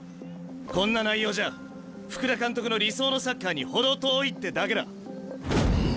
こんな内容じゃ福田監督の理想のサッカーに程遠いってだけだ。